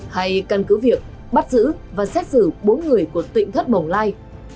hay căn cứ việc bắt giữ và xét xử bốn người của tỉnh thất bồng lai